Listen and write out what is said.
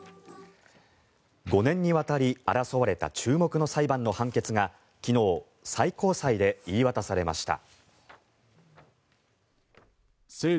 ５年にわたり争われた注目の裁判の判決が昨日、最高裁で言い渡されました。